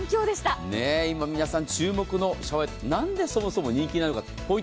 今、皆さん注目のシャワーヘッド、何でこんなに人気なのか。